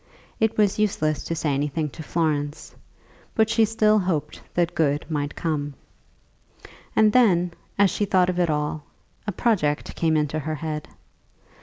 It was useless to say anything to Florence, but she still hoped that good might come. And then, as she thought of it all, a project came into her head.